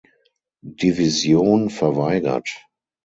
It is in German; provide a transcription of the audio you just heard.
Division verweigert.